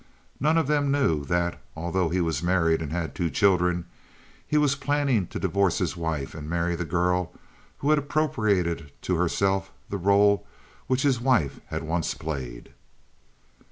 No one of them knew that, although he was married and had two children, he was planning to divorce his wife and marry the girl who had appropriated to herself the role which his wife had once played.